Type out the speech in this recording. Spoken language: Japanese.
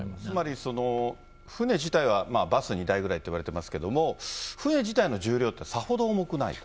つまり船自体はバス２台ぐらいといわれてますけれども、船自体の重量ってさほど重くないと。